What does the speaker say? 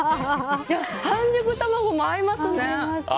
半熟卵も合いますね。